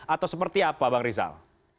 atau seperti apa bang rizal